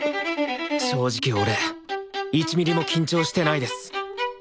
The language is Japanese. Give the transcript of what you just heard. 正直俺１ミリも緊張してないです。